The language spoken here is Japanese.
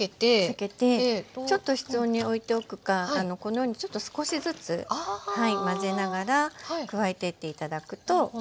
避けてちょっと室温においておくかこのようにちょっと少しずつ混ぜながら加えてって頂くといいですね。